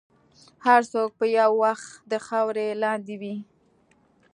هر څوک به یو وخت د خاورې لاندې وي.